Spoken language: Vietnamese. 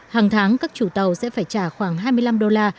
hàng tháng các chủ tàu sẽ phải trả khoảng hai mươi năm đô la